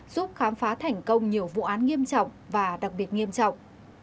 giúp khám phá thành công nhiều vụ án nghiêm trọng và đặc biệt nghiêm trọng